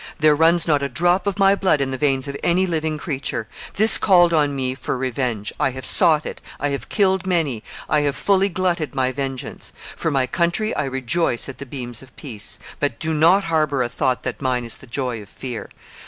There runs not a drop of my blood in the veins of any living creature. This called on me for revenge. I have sought it. I have killed many. I have fully glutted my vengeance. For my country, I rejoice at the beams of peace. But do not harbour a thought that mine is the joy of fear.